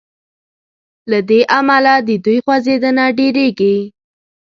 له دې امله د دوی خوځیدنه ډیریږي.